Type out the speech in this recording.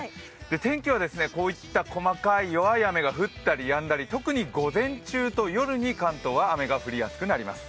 天気はこういった細かい弱い雨が降ったりやんだり、特に午前中と夜に関東は雨が降りやすくなります。